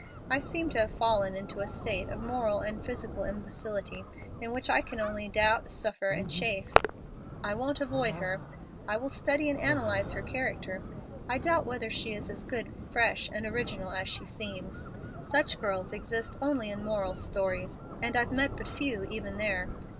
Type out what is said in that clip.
I seem to have fallen into a state of moral and physical imbecility, in which I can only doubt, suffer, and chafe. "I won't avoid her. I will study and analyze her character. I doubt whether she is as good, fresh, and original as she seems. Such girls exist only in moral stories, and I've met but few even there.